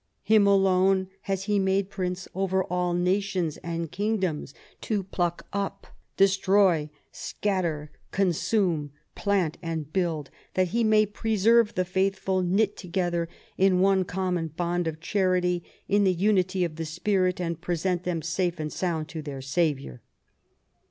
Him alone has he made Prince, over all nations and king doms, to pluck up, destroy, scatter, consume, plant and build ; that he may preserve the faithful, knit together in one common bond of charity, in the unity of the spirit, and present them safe and sound to their THE EXCOMMUNICATION OF ELIZABETH. 137 Saviour."